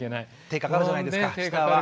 手かかるじゃないですか下は。